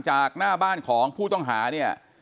จากหน้าบ้านของผู้ต้องหาเนี่ย